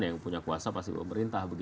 yang punya kuasa pasti pemerintah